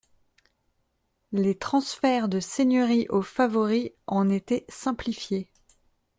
Les transferts de seigneuries aux favoris en étaient simplifiés.